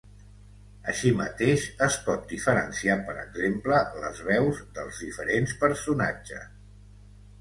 Així mateix, es pot diferenciar, per exemple, les veus dels diferents personatges.